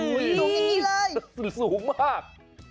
อุ้ยดูนี่เลยสูงมาก